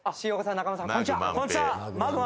中間さんこんにちは